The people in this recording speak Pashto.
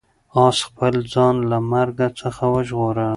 آس خپل ځان له مرګ څخه وژغوره.